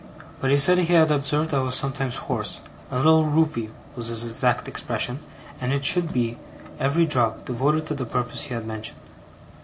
But he said he had observed I was sometimes hoarse a little roopy was his exact expression and it should be, every drop, devoted to the purpose he had mentioned.